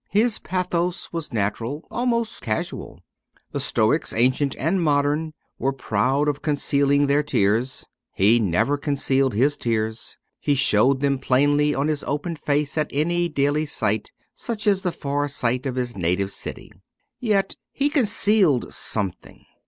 His pathos was natural, almost casual. The Stoics, ancient and modern, were proud of concealing their tears. He never concealed His tears ; He showed them plainly on His open face at any daily sight, such as the far sight of His native city. Yet He concealed something.